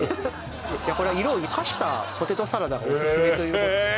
これは色を生かしたポテトサラダがおすすめということでえ